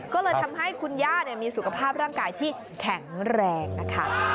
ก็เลยทำให้คุณย่ามีสุขภาพร่างกายที่แข็งแรงนะคะ